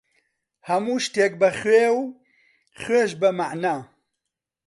هەموو شتێک بە خوێ، و خوێش بە مەعنا.